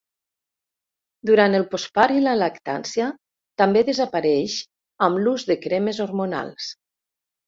Durant el postpart i la lactància, també desapareix amb l'ús de cremes hormonals.